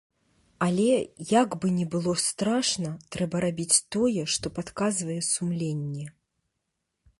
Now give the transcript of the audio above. Але, як бы ні было страшна, трэба рабіць тое, што падказвае сумленне.